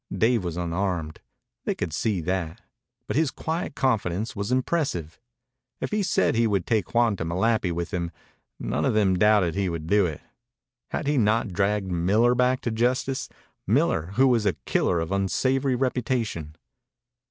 Dave was unarmed. They could see that. But his quiet confidence was impressive. If he said he would take Juan to Malapi with him, none of them doubted he would do it. Had he not dragged Miller back to justice Miller who was a killer of unsavory reputation?